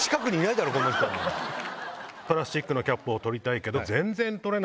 プラスチックのキャップを取りたいけど全然取れない。